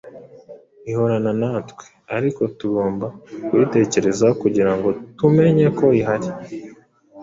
Ihorana natwe, ariko tugomba kuyitekerezaho kugira ngo tumenye ko ihari.